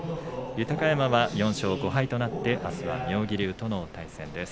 豊山は４勝５敗となってあすは妙義龍との対戦です。